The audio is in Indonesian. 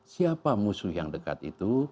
siapa musuh yang dekat itu